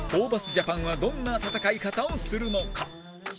ＪＡＰＡＮはどんな戦い方をするのか？